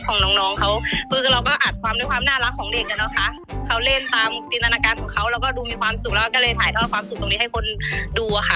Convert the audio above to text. ของน้องน้องเขาคือเราก็อัดความด้วยความน่ารักของเด็กอ่ะนะคะเขาเล่นตามจินตนาการของเขาเราก็ดูมีความสุขแล้วก็เลยถ่ายทอดความสุขตรงนี้ให้คนดูอะค่ะ